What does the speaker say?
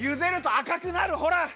あかくなるほら！